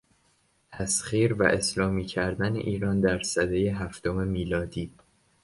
تسخیر و اسلامی کردن ایران در سدهی هفتم میلادی